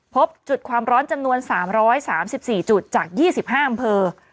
พบจุดความร้อนจำนวน๓๓๔จุดจาก๒๕อำเภอ